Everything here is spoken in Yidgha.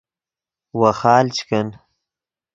ویخال چے کن